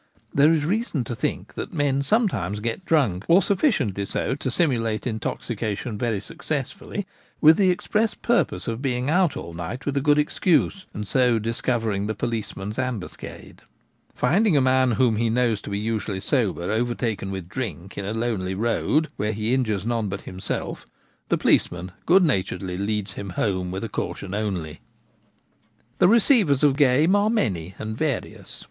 There is reason to think that men sometimes get drunk, or sufficiently so to simulate intoxication very successfully, with the express purpose of being out all night with a good excuse, and so discovering the policeman's ambuscade. Finding a man whom he knows to be usually sober overtaken with drink in a lonely road, where he injures none but himself, the policeman good naturedly leads him home with a caution only. The receivers of game are many and various.